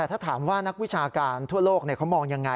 แต่ถ้าถามว่านักวิชาการทั่วโลกเขามองยังไง